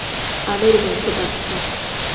আমের গন্ধ পাচ্ছি।